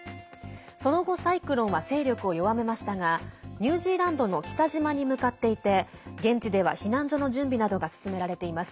その後、サイクロンは勢力を弱めましたがニュージーランドの北島に向かっていて現地では避難所の準備などが進められています。